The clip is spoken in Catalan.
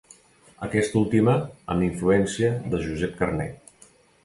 Aquesta última amb influència de Josep Carner.